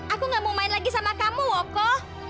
aku gak mau main lagi sama kamu oko